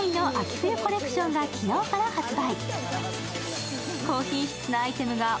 冬コレクションが昨日から発売。